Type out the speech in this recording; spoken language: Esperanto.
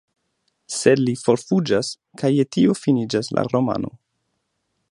Sed li forfuĝas, kaj je tio finiĝas la romano.